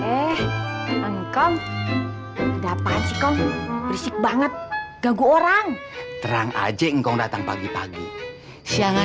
eh kaum dapat sih kau berisik banget gagu orang terang aja engkau datang pagi pagi siangan